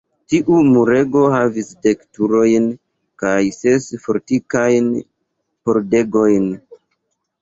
Tiu murego havis dek turojn kaj ses fortikajn pordegojn.